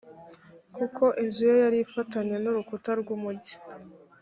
kuko inzu ye yari ifatanye n’urukuta rw’umugi,